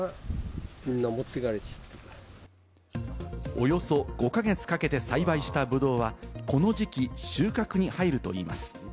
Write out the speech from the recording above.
およそ５か月かけて栽培したブドウはこの時期、収穫に入るといいます。